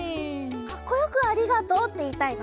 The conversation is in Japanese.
かっこよく「ありがとう」っていいたいの？